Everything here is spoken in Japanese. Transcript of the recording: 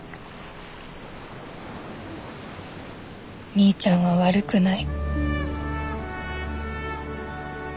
みーちゃんは悪くない。